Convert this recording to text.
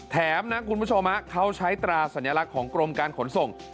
แถมนะคุณผู้ชมเขาใช้ตราสัญลักษณ์ของกรมการขนส่ง